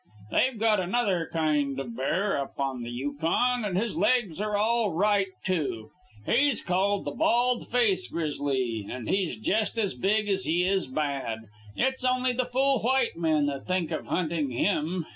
"They've got another kind of bear up on the Yukon, and his legs are all right, too. He's called the bald face grizzly, and he's jest as big as he is bad. It's only the fool white men that think of hunting him.